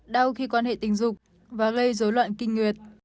đau khi quan hệ tình dục và gây dối loạn kinh nguyệt